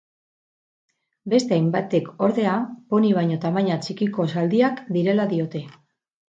Beste hainbatek ordea poni baino tamaina txikiko zaldiak direla diote.